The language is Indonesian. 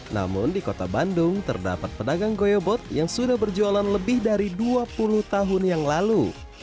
namun di kota bandung terdapat pedagang goyobot yang sudah berjualan lebih dari dua puluh tahun yang lalu